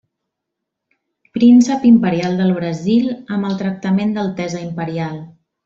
Príncep imperial del Brasil amb el tractament d'altesa imperial.